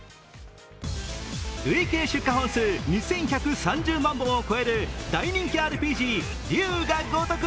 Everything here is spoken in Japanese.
累計出荷本数２１３０万本を超える大人気ＲＰＧ「龍が如く」